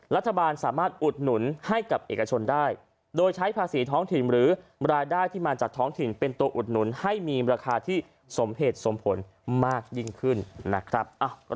รัฐบาลสามารถอุดหนุนให้กับเอกชนได้โดยใช้ภาษีท้องถิ่นหรือรายได้ที่มาจากท้องถิ่นเป็นตัวอุดหนุนให้มีราคาที่สมเหตุสมผลมากยิ่งขึ้นนะครับ